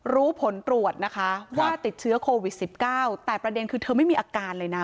รู้ผลตรวจนะคะว่าติดเชื้อโควิด๑๙แต่ประเด็นคือเธอไม่มีอาการเลยนะ